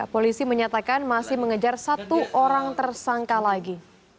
polisi menyatakan masih mengejar satu orang tersangka lagi